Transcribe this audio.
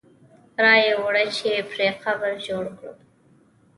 را یې وړه چې پرې قبر جوړ کړو.